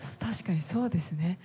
確かにそうですね。